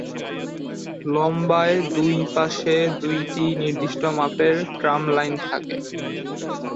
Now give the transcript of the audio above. লম্বায় দুই পাশে দুইটি নির্দিষ্ট মাপের ট্রাম লাইন থাকে।